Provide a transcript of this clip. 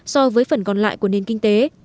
so với phần còn lại của nền kinh tế